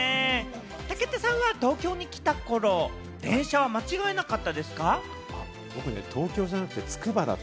武田さんは東京に来た頃、電車は間違えなかったですか？